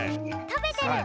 食べてる！